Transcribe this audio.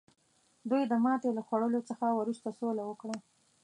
دوی د ماتې له خوړلو څخه وروسته سوله وکړه.